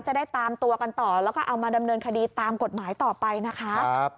จะได้ตามตัวกันต่อแล้วก็เอามาดำเนินคดีตามกฎหมายต่อไปนะคะ